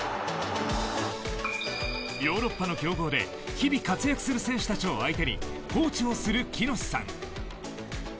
ヨーロッパの強豪で日々活躍する選手たちを相手にコーチをする喜熨斗さん。